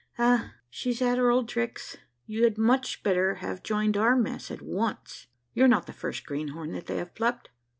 "Ah, she's at her old tricks. You had much better have joined our mess at once. You're not the first greenhorn that they have plucked.